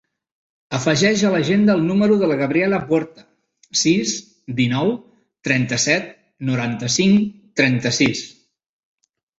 Afegeix a l'agenda el número de la Gabriela Puerta: sis, dinou, trenta-set, noranta-cinc, trenta-sis.